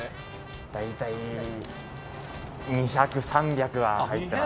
大体２００３００はありますね。